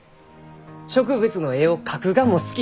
植物の絵を描くがも好き。